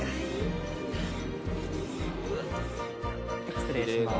失礼します。